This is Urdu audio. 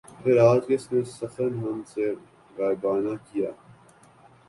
پھر آج کس نے سخن ہم سے غائبانہ کیا